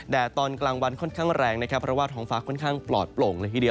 แดดตอนกลางวันค่อนข้างแรงเพราะว่าท้องฟ้าค่อนข้างปลอดปลง